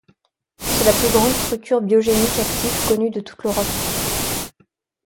C'est la plus grande structure biogénique active connue de toute l'Europe.